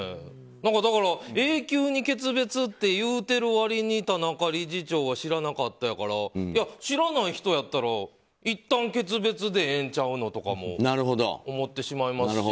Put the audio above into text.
だから、永久に決別って言うてる割に田中理事長は知らなかったやから知らない人やったらいったん決別でええんちゃうのとか思ってしまいますし。